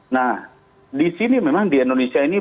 nah disini memang di indonesia ini